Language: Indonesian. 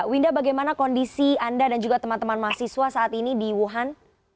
winda bagaimana kondisi anda dan juga teman teman mahasiswa saat ini di wuhan